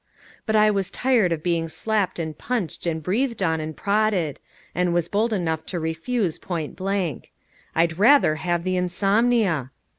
But I was tired of being slapped and punched and breathed on and prodded, and was bold enough to refuse point blank. I'd rather have the insomnia!